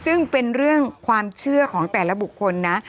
ซึ่งเป็นเรื่องความเชื่อของแต่ละบุคคลนะ